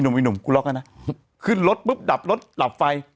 อิหนุ่มอิหนุ่มกูล็อคละนะขึ้นรถปุ๊บดับรถดับไฟ